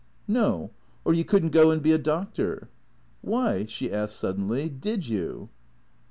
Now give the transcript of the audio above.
" No. Or you could n't go and be a doctor. Why," she asked suddenly, " did you